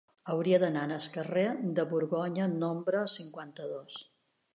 Hauria d'anar al carrer de Borgonya número cinquanta-dos.